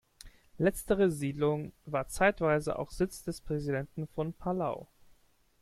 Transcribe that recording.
Letztere Siedlung war zeitweise auch Sitz des Präsidenten von Palau.